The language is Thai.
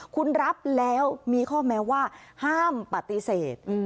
คุณรับแล้วมีข้อแม้ว่าห้ามปฏิเสธ